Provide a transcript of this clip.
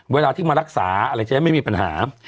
เวลาที่มารักษาอะไรจะได้ไม่มีปัญหา